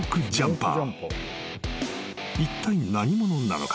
［いったい何者なのか？］